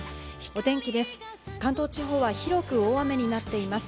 お天気です。